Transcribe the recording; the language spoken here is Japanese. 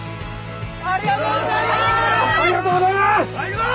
ありがとうございます！